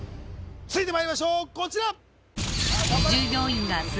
続いてまいりましょうこちら！